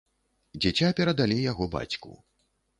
Дзіця перадалі яго бацьку.